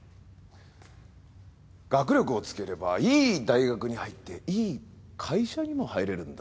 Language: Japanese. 学力をつければいい大学に入っていい会社にも入れるんだぞ。